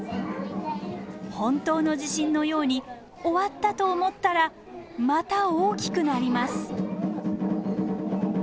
本当の地震のように終わったと思ったらまた大きくなります。